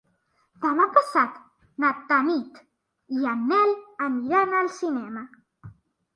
Demà passat na Tanit i en Nel aniran al cinema.